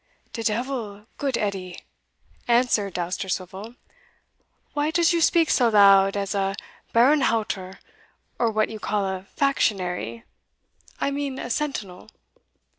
"De devil, goot Edie," answered Dousterswivel, "why does you speak so loud as a baarenhauter, or what you call a factionary I mean a sentinel?"